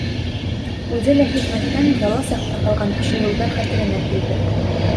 Үҙе лә һиҙмәҫтән бала саҡта ҡалған ошо юлдар хәтеренә килде.